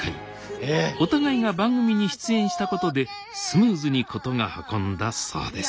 お互いが番組に出演したことでスムーズに事が運んだそうです